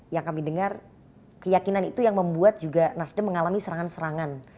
yang kami dengar keyakinan itu yang membuat juga nasdem mengalami serangan serangan